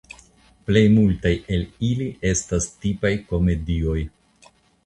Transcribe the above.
Plej multaj el ili estas tipaj komedioj.